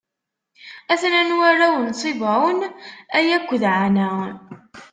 A-ten-an warraw n Ṣibɛun: Aya akked Ɛana.